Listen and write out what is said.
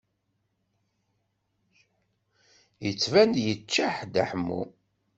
Yettban-d yeččeḥ Dda Ḥemmu.